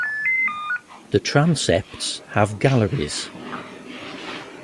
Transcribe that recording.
The transepts have galleries.